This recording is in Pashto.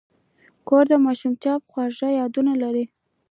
کور د ماشومتوب خواږه یادونه لري.